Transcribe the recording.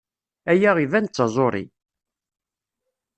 Aya iban d taẓuṛi.